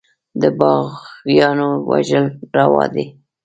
د باغيانو وژل روا دي.